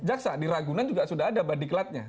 jaksa di ragunan juga sudah ada body club nya